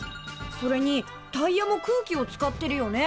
それにタイヤも空気を使ってるよね。